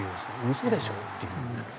嘘でしょ？っていう。